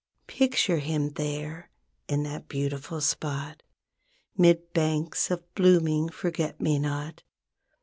Picture him there in that beautiful spot 'Mid banks of blooming forget me not.